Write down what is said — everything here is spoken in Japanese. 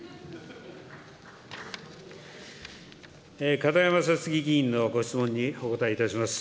片山さつき議員のご質問にお答えいたします。